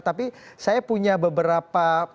tapi saya punya beberapa